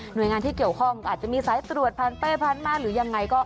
หน่วยงานที่เกี่ยวข้องอาจจะมีสายตรวจพันมาหรือยังไง